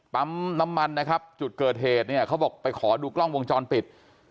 ปั๊มน้ำมันนะครับจุดเกิดเหตุเนี่ยเขาบอกไปขอดูกล้องวงจรปิด